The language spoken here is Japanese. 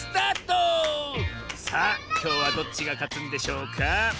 さあきょうはどっちがかつんでしょうか？